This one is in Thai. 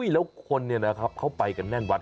แล้วคนเขาไปกันแน่นวัด